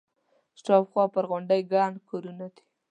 شاوخوا پر غونډۍ ګڼ کورونه دي.